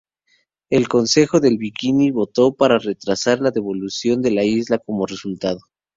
El Consejo del Bikini votó para retrasar la devolución de la isla como resultado.